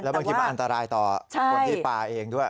แล้วก็คิดว่าอันตรายต่อคนที่ป่าเองด้วย